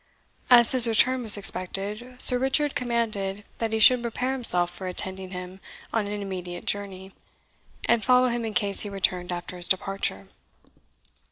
As his return was expected, Sir Richard commanded that he should prepare himself for attending him on an immediate journey, and follow him in case he returned after his departure.